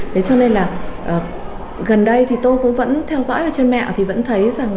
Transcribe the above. thế cho nên là gần đây thì tôi cũng vẫn theo dõi ở trên mạng thì vẫn thấy rằng